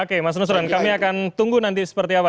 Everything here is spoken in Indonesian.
oke mas nusron kami akan tunggu nanti seperti apa